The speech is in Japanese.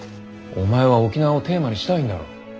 お前は沖縄をテーマにしたいんだろ？